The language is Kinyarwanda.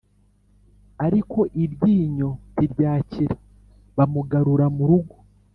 ariko iryinyo ntiryakira, bamugarura mu rugo